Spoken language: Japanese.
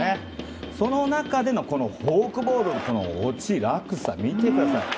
その中でのフォークボールの落差、見てください。